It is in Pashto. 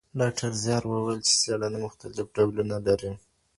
ډاکټر زیار وویل چي څېړنه مختلف ډولونه لري.